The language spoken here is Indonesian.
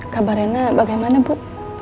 kabar reyna bagaimana bu